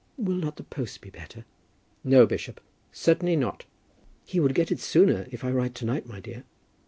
"Will not the post be better?" "No, bishop; certainly not." "He would get it sooner, if I write to night, my dear."